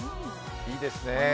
いいですねえ。